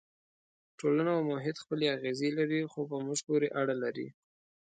ټولنه او محیط خپلې اغېزې لري خو په موږ پورې اړه لري.